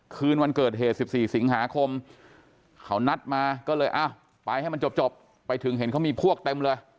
คืนวันเกิดเหตุ๑๔สิงหาคมเขานัดมาก็เลยอ้าวไปให้มันจบไปถึงเห็นเขามีพวกเต็มเลย